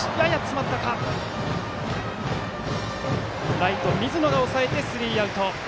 ライト、水野が押さえてスリーアウト。